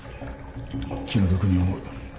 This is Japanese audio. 気の毒に思う。